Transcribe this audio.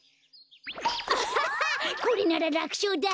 アハハこれなららくしょうだ。